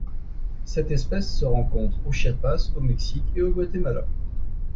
Cette espèce se rencontre au Chiapas au Mexique et au Guatemala.